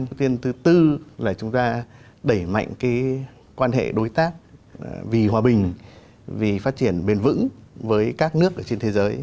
ưu tiên thứ tư là chúng ta đẩy mạnh cái quan hệ đối tác vì hòa bình vì phát triển bền vững với các nước trên thế giới